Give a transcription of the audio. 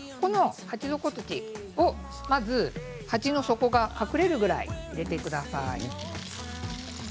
鉢底土をまず鉢の底が隠れるくらい、入れてください。